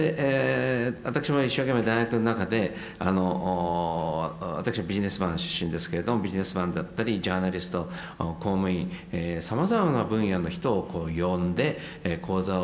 私も一生懸命大学の中であの私はビジネスマン出身ですけれどもビジネスマンだったりジャーナリスト公務員さまざまな分野の人をこう呼んで講座を開く。